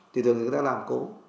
thì thường người ta làm cố